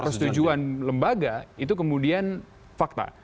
persetujuan lembaga itu kemudian fakta